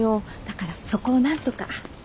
だからそこをなんとか。